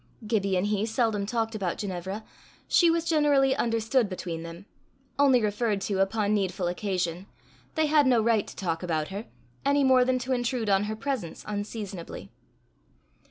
Gibbie and he seldom talked about Ginevra. She was generally understood between them only referred to upon needful occasion: they had no right to talk about her, any more than to intrude on her presence unseasonably.